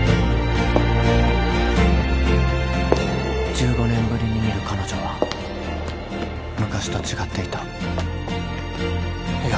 １５年ぶりに見る彼女は昔と違っていた梨央